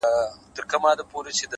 مثبت فکر ذهن روښانه ساتي’